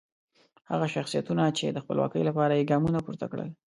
هغه شخصیتونه چې د خپلواکۍ لپاره یې ګامونه پورته کړل.